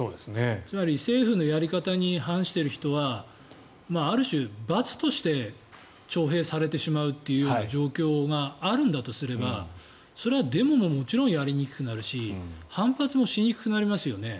つまり、政府のやり方に反している人はある種、罰として徴兵されてしまうという状況があるんだとすればそれはデモももちろんやりにくくなるし反発もしにくくなりますよね。